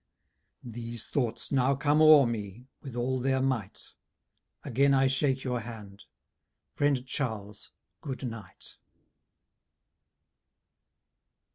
These thoughts now come o'er me with all their might: Again I shake your hand, friend Charles, good night.